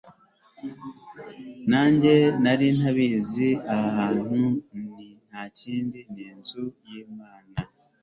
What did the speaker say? nanjye nari ntabizi aha hantu nta kindi, ni inzu y'imana